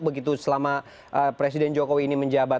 begitu selama presiden jokowi ini menjabat